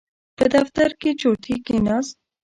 په دفتر کې چورتي کېناست.